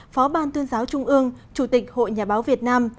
phó ban tuyên giáo trung ương chủ tịch hội nhà báo việt nam